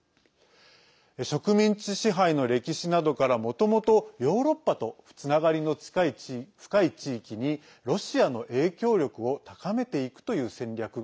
植民地支配の歴史などからもともと、ヨーロッパとつながりの深い地域にロシアの影響力を高めていくという戦略。